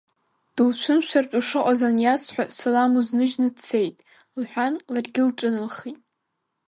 Дуцәымшәартә ушыҟаз аниасҳәа, салам узныжьны дцеит, — лҳәан, ларгьы лҿыналхеит.